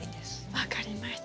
分かりました。